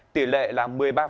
đệ là một mươi ba